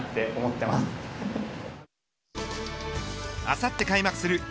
あさって開幕するＮＥＣ